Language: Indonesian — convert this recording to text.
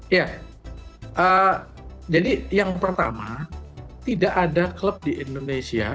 ya jadi yang pertama tidak ada klub di indonesia